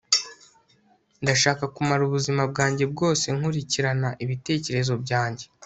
ndashaka kumara ubuzima bwanjye bwose nkurikirana ibitekerezo byanjye